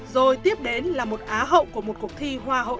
rồi tiếp đến là một á hậu của một cuộc thi hoa hậu